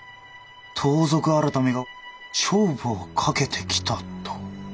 盗賊改が勝負をかけてきたと？